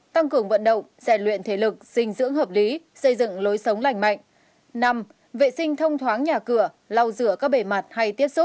năm tăng cường vận động dạy luyện thể lực sinh dưỡng hợp lý xây dựng lối sống lành mạnh